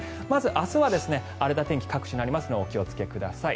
明日は荒れた天気になりますのでお気をつけください。